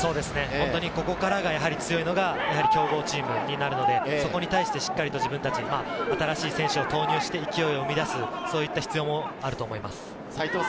ここから強いのが強豪チームなので、そこに対してしっかり新しい選手を投入して勢いを出す、そういう必要もあると思います。